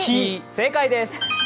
正解です。